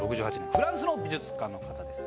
フランスの美術家の方です。